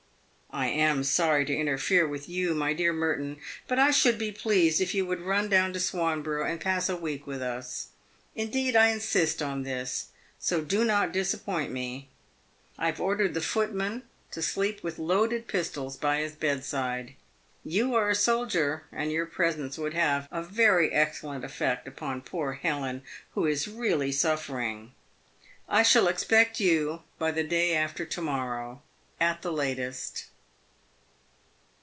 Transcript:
I am sorry to interfere with you, my dear Merton, but I should be pleased if you would run down to Swanborough and pass a week with us. Indeed, I insist on this, so do not disappoint me. I have ordered the footman to sleep with loaded pistols by his bedside. You are a soldier, and your presence would have a very excellent effect upon poor Helen, who is really suffering. I shall expect you by the day after to morrow, at the latest."